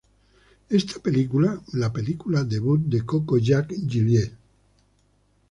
Esta película la película debut de Coco Jack Gillies.